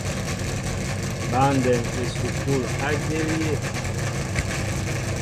Băndɛm esukul a jȇl yé?